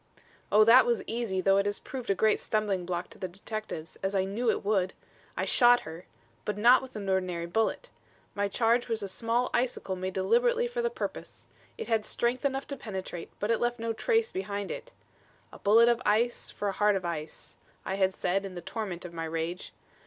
Oh, that was easy, though it has proved a great stumbling block to the detectives, as I knew it would! I shot her but not with an ordinary bullet. My charge was a small icicle made deliberately for the purpose. It had strength enough to penetrate, but it left no trace behind it. 'A bullet of ice for a heart of ice,' I had said in the torment of my rage.